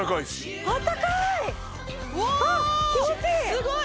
すごい。